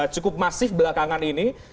cukup masif belakangan ini